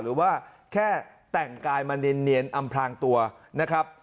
หรือว่าแค่แต่งกายมาเนียนอำพลางตัวนะครับ